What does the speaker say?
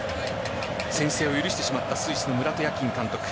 先制を許してしまったスイスのムラト・ヤキン監督。